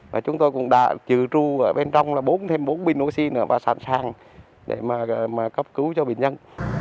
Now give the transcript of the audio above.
và chúng tôi cũng đã trừ tru ở bên trong là bốn thêm bốn binh oxy và sẵn sàng để mà cấp cứu cho bệnh nhân